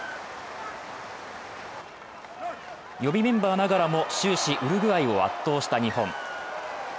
予備メンバーながらも、終始ウルグアイを圧倒した日本。